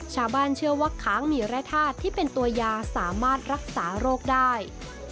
ชาวบ้านเชื่อว่าค้างมีแร่ธาตุที่เป็นตัวยาสามารถรักษาโรคได้